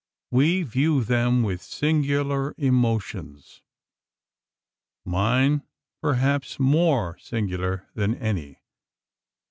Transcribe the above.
We view them with singular emotions mine perhaps more singular than any.